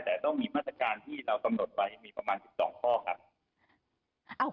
แต่ต้องมีมาตรการที่เรากำหนดไว้มีประมาณ๑๒ข้อครับ